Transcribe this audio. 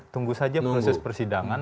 tunggu saja proses persidangan